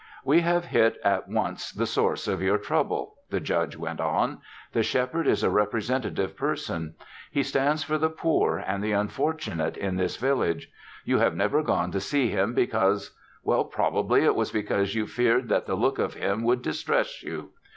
"We have hit at once the source of your trouble," the Judge went on. "The Shepherd is a representative person. He stands for the poor and the unfortunate in this village. You have never gone to see him because well, probably it was because you feared that the look of him would distress you.